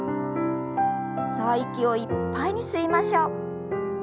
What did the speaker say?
さあ息をいっぱいに吸いましょう。